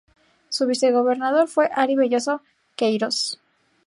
Su vicegobernador fue Ary Velloso Queiroz.